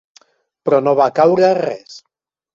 Però no va caure res.